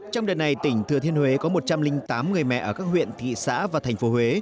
trong đợt này tỉnh thừa thiên huế có một trăm linh tám người mẹ ở các huyện thị xã và thành phố huế